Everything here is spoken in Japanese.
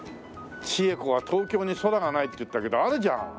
「智恵子は東京に空が無い」って言ったけどあるじゃん。